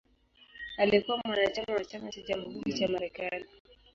Alikuwa mwanachama wa Chama cha Jamhuri cha Marekani.